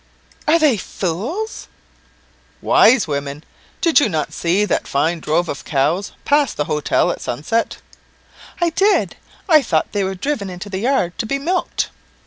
"Are they fools?" "Wise women. Did not you see that fine drove of cows pass the hotel at sunset?" "I did. I thought they were driven into the yard to be milked."